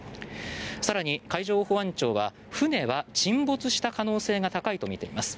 更に、海上保安庁は船は沈没した可能性が高いとみています。